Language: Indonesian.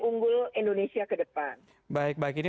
unggul indonesia ke depan baik baik ini